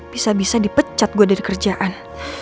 bisa bisa dipecat gua dari kerjaan